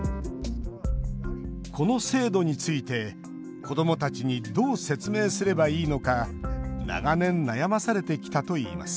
この制度について、子どもたちにどう説明すればいいのか長年悩まされてきたといいます